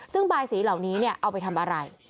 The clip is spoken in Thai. ซึ่งบายสีเหล่านี้เอาไปทำอะไร